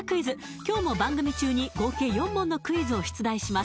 今日も番組中に合計４問のクイズを出題します